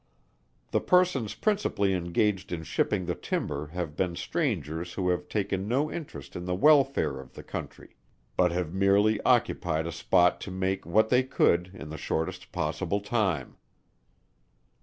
The persons principally engaged in shipping the timber have been strangers who have taken no interest in the welfare of the country; but have merely occupied a spot to make what they could in the shortest possible time.